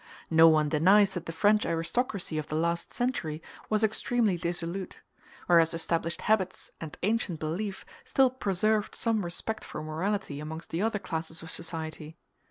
No one denies that the French aristocracy of the last century was extremely dissolute; whereas established habits and ancient belief still preserved some respect for morality amongst the other classes of society.